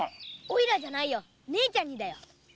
おいらじゃないよ姉ちゃんにだよ。